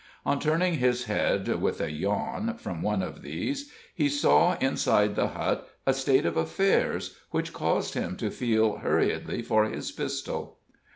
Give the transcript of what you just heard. On turning his head, with a yawn, from one of these, he saw inside the hut a state of affairs which caused him to feel hurriedly for his pistol.